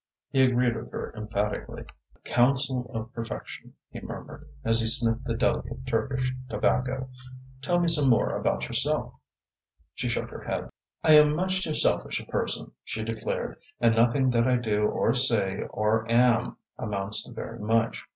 He agreed with her emphatically. "A counsel of perfection," he murmured, as he sniffed the delicate Turkish tobacco. "Tell me some more about yourself?" She shook her head. "I am much too selfish a person," she declared, "and nothing that I do or say or am amounts to very much.